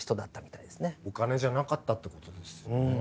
お金じゃなかったってことですよね。